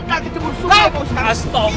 astaghfiru allah halhazim